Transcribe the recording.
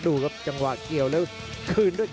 ดูครับจังหวะเกี่ยวแล้วคืนด้วย